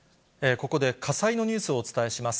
ここで火災のニュースをお伝えします。